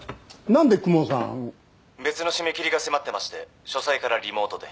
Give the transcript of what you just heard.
んで公文さん「別の締め切りが迫ってまして書斎からリモートで」